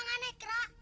kamu yang aneh kera